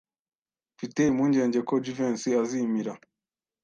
Mfite impungenge ko Jivency azimira.